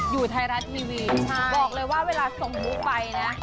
อยู่ไทยรัตน์ทีวีใช่บอกเลยว่าเวลาส่งหูไฟนะ